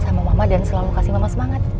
sama mama dan selalu kasih mama semangat